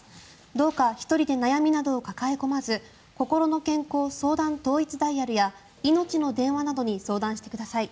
どうか１人で悩みなどを抱え込まずこころの健康相談統一ダイヤルやいのちの電話などに相談してください。